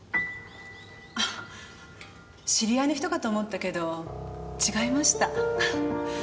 あ知り合いの人かと思ったけど違いました。